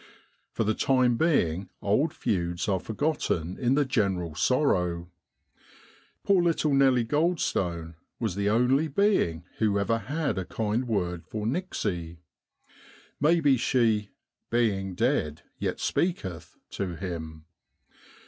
For the time being old feuds are forgotten in the general sorrow. Poor little Nellie Groldstone was the only being who ever had a kind word for Nixey. Maybe she 'being dead, yet speaketh' to him.